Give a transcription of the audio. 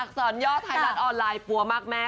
สอนย่อไทยรัฐออนไลน์ปัวมากแม่